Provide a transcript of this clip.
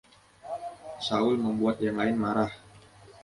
Saul membuat yang lain marah.